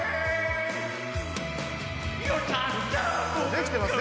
できてます